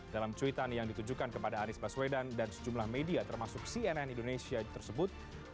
dalam cuitan yang ditujukan kepada anies baswedan dan sejumlah media termasuk cnn indonesia tersebut